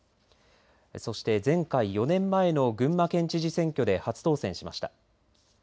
そして前回４年前の群馬県知事選挙で初当選しました。